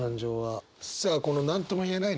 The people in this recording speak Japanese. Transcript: さあこの何とも言えない